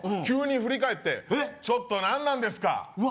急に振り返ってちょっと何なんですか！